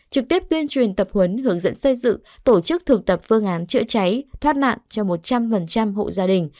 trực tiếp tuyên truyền tập huấn hướng dẫn xây dựng tổ chức thực tập phương án chữa cháy thoát nạn cho một trăm linh hộ gia đình